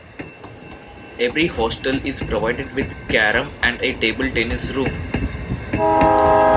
Every hostel is provided with carom and a table-tennis room.